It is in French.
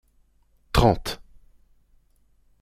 Trente.